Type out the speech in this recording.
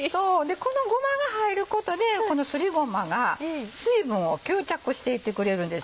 このごまが入ることでこのすりごまが水分を吸着していってくれるんです。